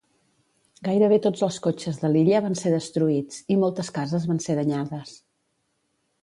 Gairebé tots els cotxes de l'illa van ser destruïts i moltes cases van ser danyades.